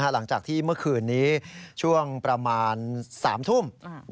หลังจากที่เมื่อคืนนี้ช่วงประมาณ๓ทุ่ม